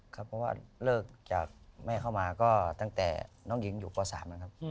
ครับเพราะว่าเลิกจากแม่เข้ามาก็ตั้งแต่น้องหญิงอยู่ป๓นะครับ